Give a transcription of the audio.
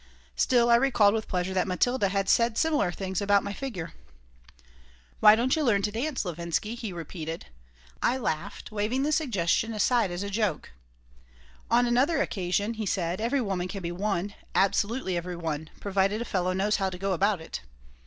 Still, I recalled with pleasure that Matilda had said similar things about my figure "Why don't you learn to dance, Levinsky?" he repeated I laughed, waving the suggestion aside as a joke On another occasion he said, "Every woman can be won, absolutely every one, provided a fellow knows how to go about it."